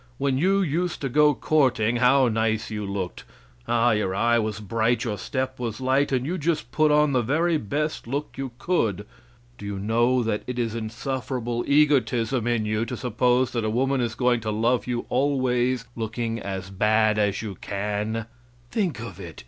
When you used to go courting, how nice you looked! Ah, your eye was bright, your step was light, and you just put on the very best look you could. Do you know that it is insufferable egotism in you to suppose that a woman is going to love you always looking as bad as you can? Think of it!